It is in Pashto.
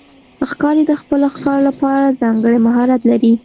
ښکاري د خپل ښکار لپاره ځانګړی مهارت لري.